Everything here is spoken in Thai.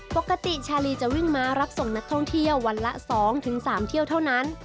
ปกติชาลีจะวิ่งม้ารับส่งนักท่องเที่ยววันละ๒๓เที่ยวเท่านั้น